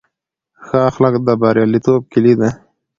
ښه اخلاق د بریالیتوب کیلي ده.